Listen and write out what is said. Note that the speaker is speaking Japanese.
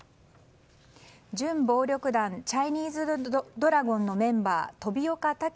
準暴力団チャイニーズドラゴンのメンバー飛岡武